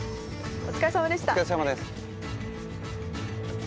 お疲れさまです。